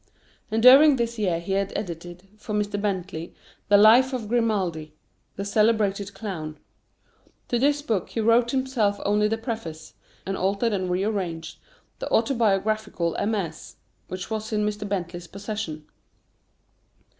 And during this year he had edited, for Mr. Bentley, "The Life of Grimaldi," the celebrated clown. To this book he wrote himself only the preface, and altered and rearranged the autobiographical MS. which was in Mr. Bentley's possession.